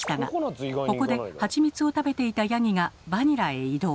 ここで「ハチミツ」を食べていたヤギが「バニラ」へ移動。